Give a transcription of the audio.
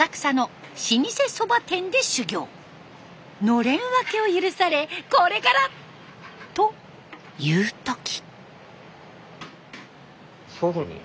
のれん分けを許されこれから！という時。